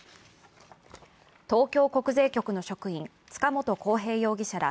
東京国税局の職員、塚本晃平容疑者ら